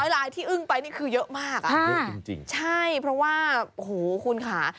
๒๐๐ลายที่อึ้งไปนี่คือเยอะมากอะใช่เพราะว่าโอ้โหคุณค่ะ